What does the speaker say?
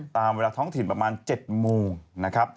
ตามเวลาท้องถิ่นประมาณ๗โมง